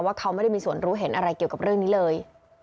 เขาไม่ได้มีส่วนรู้เห็นอะไรเกี่ยวกับเรื่องนี้เลย